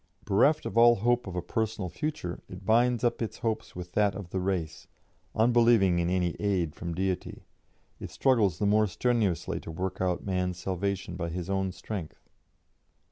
Bereft of all hope of a personal future, it binds up its hopes with that of the race; unbelieving in any aid from Deity, it struggles the more strenuously to work out man's salvation by his own strength.